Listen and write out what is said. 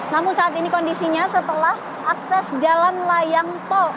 namun saat ini kondisinya setelah akses jalan layang tol